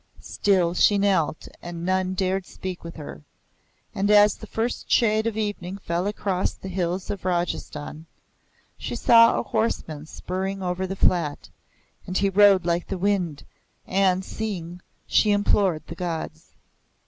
Still she knelt and none dared speak with her; and as the first shade of evening fell across the hills of Rajasthan, she saw a horseman spurting over the flat; and he rode like the wind, and, seeing, she implored the Gods.